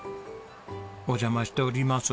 お邪魔しております。